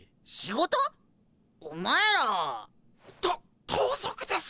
お前ら。と盗賊です！